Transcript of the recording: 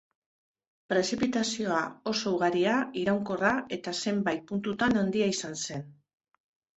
Prezipitazioa oso ugaria, iraunkorra eta zenbait puntutan handia izan zen.